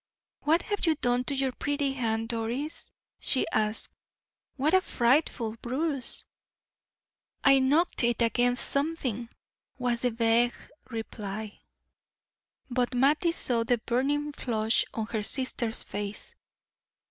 "What have you done to your pretty hand, Doris?" she asked. "What a frightful bruise!" "I knocked it against something," was the vague reply. But Mattie saw the burning flush on her sister's face.